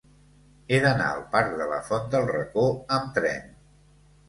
He d'anar al parc de la Font del Racó amb tren.